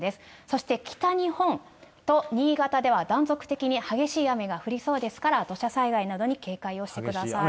そして北日本と新潟では断続的に激しい雨が降りそうですから、土砂災害などに警戒をしてください。